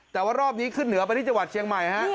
แต่ว่ารอบนี้ขึ้นเหนือไปที่จังหวัดเชียงใหม่ฮะ